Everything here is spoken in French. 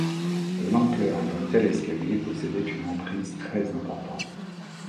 L'ampleur d'un tel escalier possédait une emprise très importante.